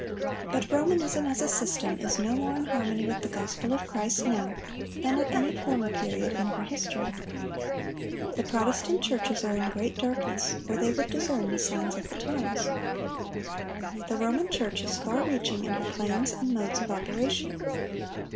But Romanism as a system is no more in harmony with the gospel of Christ now than at any former period in her history. The Protestant churches are in great darkness, or they would discern the signs of the times. The Roman Church is far reaching in her plans and modes of operation.